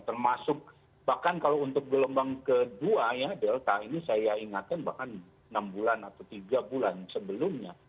termasuk bahkan kalau untuk gelombang kedua ya delta ini saya ingatkan bahkan enam bulan atau tiga bulan sebelumnya